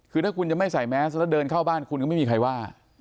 คือถ้าคุณจะไม่ใส่แมสแล้วเดินเข้าบ้านคุณก็ไม่มีใครว่า